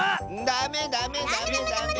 ダメダメダメダメ！